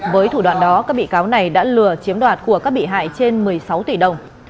với thủ đoạn đó các bị cáo này đã lừa chiếm đoạt của các bị hại trên một mươi sáu tỷ đồng